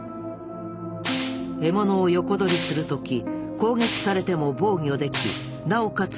獲物を横取りするとき攻撃されても防御できなおかつ